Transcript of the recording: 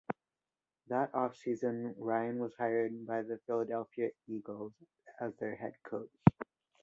That offseason, Ryan was hired by the Philadelphia Eagles as their head coach.